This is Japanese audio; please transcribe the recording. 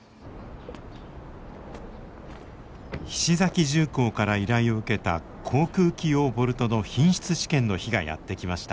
菱崎重工から依頼を受けた航空機用ボルトの品質試験の日がやって来ました。